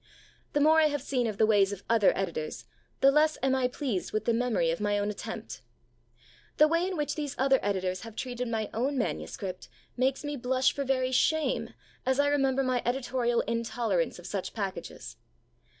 The more I have seen of the ways of other editors the less am I pleased with the memory of my own attempt. The way in which these other editors have treated my own manuscript makes me blush for very shame as I remember my editorial intolerance of such packages.